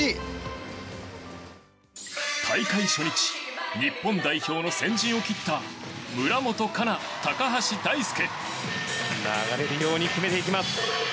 大会初日日本代表の先陣を切った村元哉中、高橋大輔。